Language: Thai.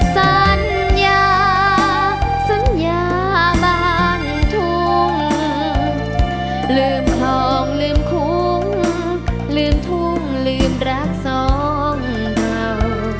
สัญญาสัญญาบ้านทุ่งลืมคลองลืมคุ้งลืมทุ่งลืมรักสองเก่า